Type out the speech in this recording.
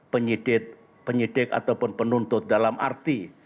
penyidik penyidik ataupun penuntut dalam arti